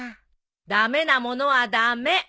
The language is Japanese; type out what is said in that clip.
駄目なものは駄目！